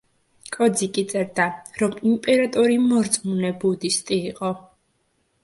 კოძიკი წერდა, რომ იმპერატორი მორწმუნე ბუდისტი იყო.